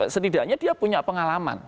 setidaknya dia punya pengalaman